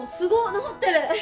直ってる。